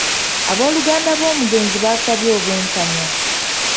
Abooluganda b'omugenzi baasabye obwenkanya.